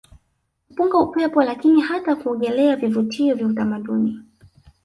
kupunga upepo lakini hata kuogelea Vivutio vya utamaduni